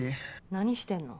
何してんの？